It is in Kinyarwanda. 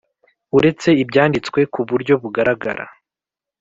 uretse ibyanditswe ku buryo bugaragara